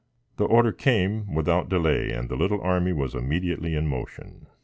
The order came without delay, and the little army was immediately in motion.